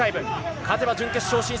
勝てば準決勝進出